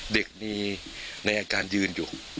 เด็กมีในอาการยืนอยู่